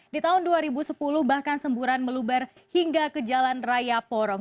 di tahun dua ribu sepuluh bahkan semburan meluber hingga ke jalan raya porong